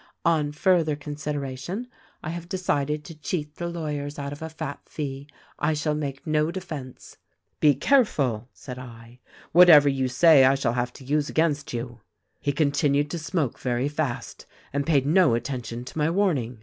On further consideration I have decided to cheat the lawyers out of a fat fee ; I shall make no defense.' " 'Be careful,' said I. 'Whatever you say I shall have to use against you.' "He continued to smoke very fast, and paid no atten tion to my warning.